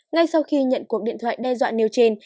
ngay sau khi nhận cuộc điện thoại đe dọa nêu trên